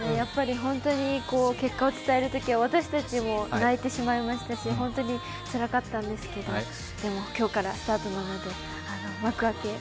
結果を伝えるときは私たちも泣いてしまいましたし、本当につらかったんですけど、でも今日からスタートなので幕開け。